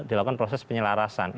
dilakukan proses penyelarasan